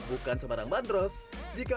bukan sebarang bandros jika